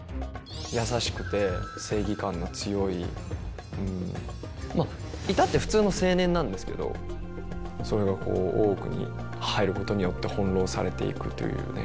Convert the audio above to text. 優しくて正義感の強いまあ至って普通の青年なんですけどそれがこう大奥に入ることによって翻弄されていくというね。